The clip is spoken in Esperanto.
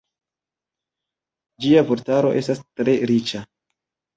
Ĝia vortaro estas tre riĉa.